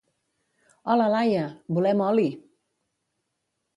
Hola, Laia! Volem oli!